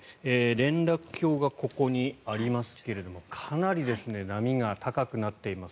連絡橋がここにありますがかなり波が高くなっています。